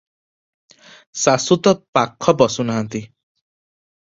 ଶାଶୁ ତ ପାଖ ପଶୁ ନାହାନ୍ତି ।